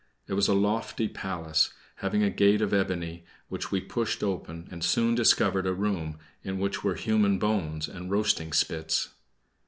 It was a lofty palace, having a gate of ebony, which we pushed open, and soon discovered a room in which were human bones and roasting spits.